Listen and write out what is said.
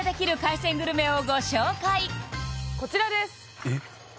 こちらですえっ